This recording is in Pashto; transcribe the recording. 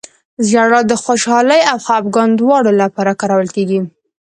• ژړا د خوشحالۍ او خفګان دواړو لپاره کارول کېږي.